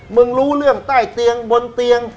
รู้เรื่องใต้เตียงบนเตียง